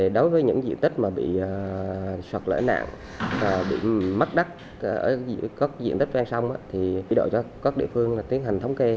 đối với những diện tích mà bị sật lỡ nạn bị mất đất ở các diện tích ven sông thì chỉ độ cho các địa phương tiến hành thống kê